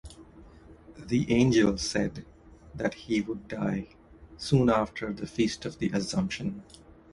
The angel said that he would die soon after the feast of the Assumption.